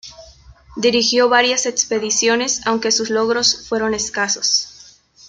Dirigió varias expediciones, aunque sus logros fueron escasos.